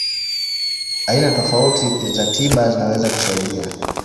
Aina tofauti za tiba zinaweza kusaidia.